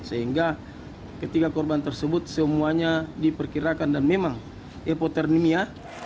sehingga ketiga korban tersebut semuanya diperkirakan dan memang hipotermia